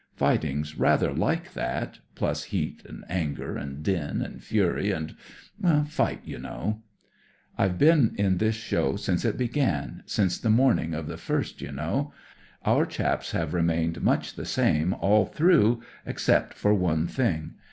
Fighting's rather like that ; plus heat and anger, and din and fury, and— Fight, you know. iHii THE MORAL OF THE BOCHE 41 I've been in this show since it began, since the morning of the 1st, you know. Our chaps have remained much the sr ne all through, except for one thing.